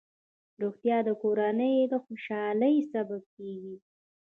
روغتیا د کورنۍ خوشحالۍ سبب کېږي.